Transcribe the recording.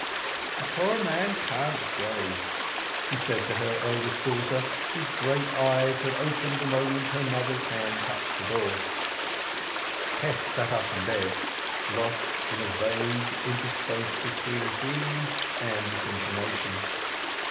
"The poor man can't go," she said to her eldest daughter, whose great eyes had opened the moment her mother's hand touched the door. Tess sat up in bed, lost in a vague interspace between a dream and this information.